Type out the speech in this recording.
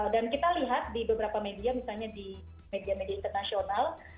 dan kita lihat di beberapa media misalnya di media media internasional